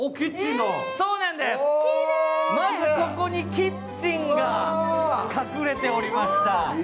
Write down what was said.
まずここにキッチンが隠れておりました。